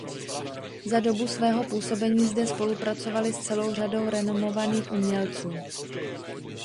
Za dobu svého působení zde spolupracovaly s celou řadou renomovaných umělců.